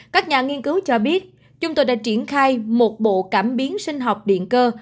các nhà nghiên cứu cho biết chúng tôi đã triển khai một bộ cảm biến sinh học điện cơ